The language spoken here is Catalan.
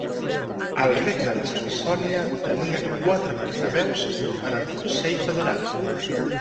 El regne de Saxònia tenia quatre portaveus en el Consell Federal.